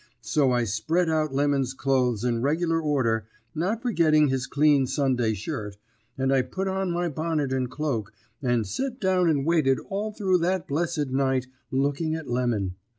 So I spread out Lemon's clothes in regular order, not forgetting his clean Sunday shirt, and I put on my bonnet and cloak, and set down and waited all through that blessed night, looking at Lemon.